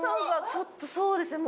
ちょっとそうですね。